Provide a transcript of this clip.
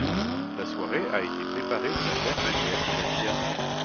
La soirée a été préparée de la même manière que l’année dernière.